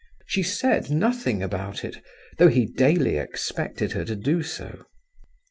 She said nothing about it, though he daily expected her to do so.